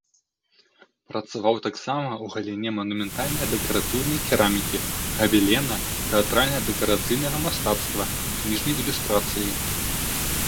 Працаваў таксама ў галіне манументальна-дэкаратыўнай керамікі, габелена, тэатральна-дэкарацыйнага мастацтва, кніжнай ілюстрацыі.